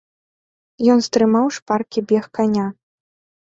Ён стрымаў шпаркі бег каня.